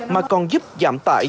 mà còn giúp giảm tải